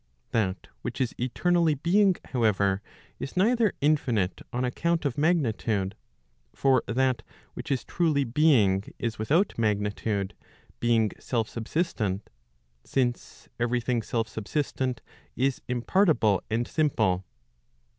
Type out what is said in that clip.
That which is eternally being, however, is neither infinite on account of rnagni tude; for that which is truly being is without magnitude, being self subsistent; since every thing self subsistent is impartible and simple.